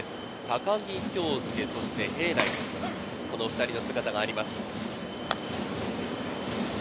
高木、そして平内、この２人の姿があります。